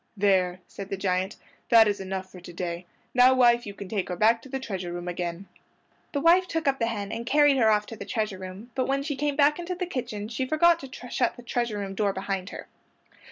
"There!" said the giant, "that is enough for to day. Now, wife, you can take her back to the treasure room again." His wife took up the hen and carried her off to the treasure room, but when she came back into the kitchen she forgot to shut the treasure room door behind her.